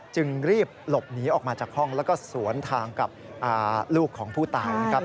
จึงรีบหลบหนีออกมาจากห้องแล้วก็สวนทางกับลูกของผู้ตายนะครับ